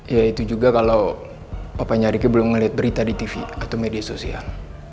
ya itu juga kalau opanya ricky belum ngeliat berita di tv atau media sosial